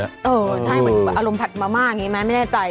ใช่เหมือนอารมณ์ผัดมาม่าอย่างนี้ไหมไม่แน่ใจ